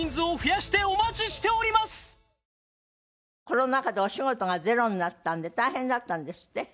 コロナ禍でお仕事がゼロになったんで大変だったんですって？